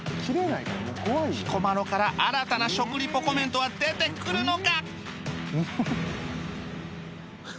彦摩呂から新たな食リポコメントは出てくるのか？